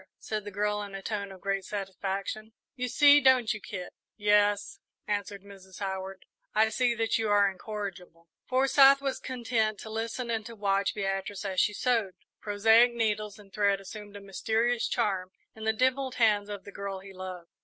said the girl, in a tone of great satisfaction; "you see, don't you, Kit?" "Yes," answered Mrs. Howard, "I see that you are incorrigible." Forsyth was content to listen and to watch Beatrice as she sewed. Prosaic needles and thread assumed a mysterious charm in the dimpled hands of the girl he loved.